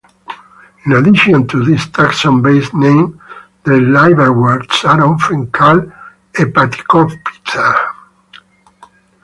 In addition to this taxon-based name, the liverworts are often called Hepaticophyta.